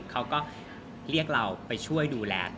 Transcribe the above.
เขาก็เรียกเราไปช่วยดูแล